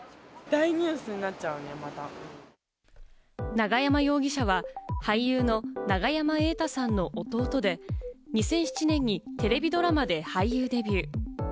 永山容疑者は俳優の永山瑛太さんの弟で、２００７年にテレビドラマで俳優デビュー。